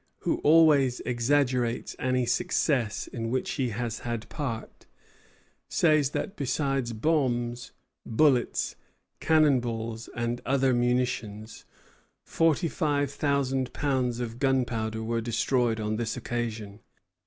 Vaudreuil, who always exaggerates any success in which he has had part, says that besides bombs, bullets, cannon balls, and other munitions, forty five thousand pounds of gunpowder were destroyed on this occasion.